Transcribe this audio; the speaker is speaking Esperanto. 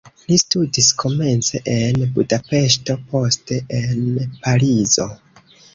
Li studis komence en Budapeŝto, poste en Parizo.